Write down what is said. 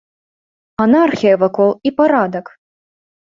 Анархія вакол і парадак!